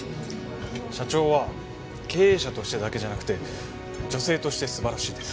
社長は経営者としてだけじゃなくて女性として素晴らしいです。